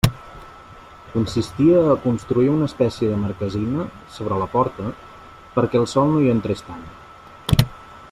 Consistia a construir una espècie de marquesina sobre la porta perquè el sol no hi entrés tant.